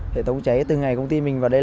hệ thống cháy từ ngày công ty mình vào đây